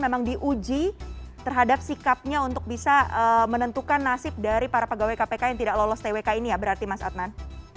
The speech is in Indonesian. memang diuji terhadap sikapnya untuk bisa menentukan nasib dari para pegawai kpk yang tidak lolos twk ini ya berarti mas adnan